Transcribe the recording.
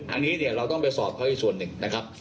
อันนี้เนี่ยเราต้องไปสอบเขาอีกส่วนหนึ่งนะครับ